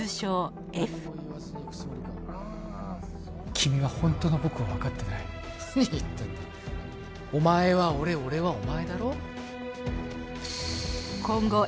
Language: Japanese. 君はホントの僕を分かってない何言ってんだお前は俺俺はお前だろ？